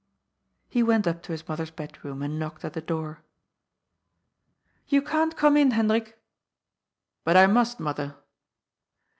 He went up to his mother's bedroom and knocked at the door. " You can't come in, Hendrik." " But I must, mother."